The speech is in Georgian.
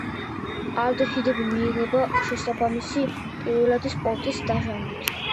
ალდეჰიდები მიიღება შესაბამისი პირველადი სპირტის დაჟანგვით.